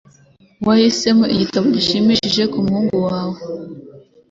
Wahisemo igitabo gishimishije kumuhungu wawe?